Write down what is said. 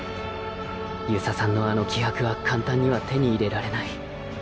遊佐さんのあの気迫は簡単には手に入れられない。